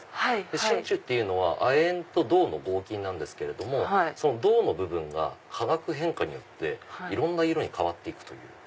真ちゅうっていうのは亜鉛と銅の合金なんですけれども銅の部分が化学変化によっていろんな色に変わって行くという。